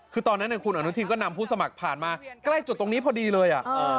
คือตอนนั้นคุณอนุทินก็นำผู้สมัครผ่านมาใกล้จุดตรงนี้พอดีเลย